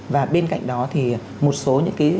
và bên cạnh đó thì một số những cái